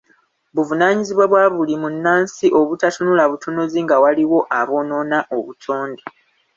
Buvunaanyizibwa bwa buli munnansi obutatunula butunuzi nga waliwo aboonoona obutonde.